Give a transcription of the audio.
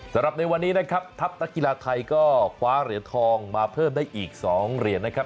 สำหรับในวันนี้นะครับทัพนักกีฬาไทยก็คว้าเหรียญทองมาเพิ่มได้อีก๒เหรียญนะครับ